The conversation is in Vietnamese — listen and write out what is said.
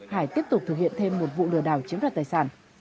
hải tiếp tục thực hiện thêm một vụ lừa đảo chiếm đoạt tài sản